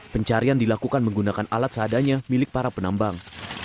pencarian dilakukan menggunakan alat seadanya milik para penambang